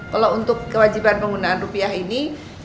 kalau untuk kewajiban penggunaan rupiah ini